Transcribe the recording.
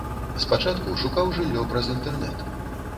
Спачатку шукаў жыллё праз інтэрнэт.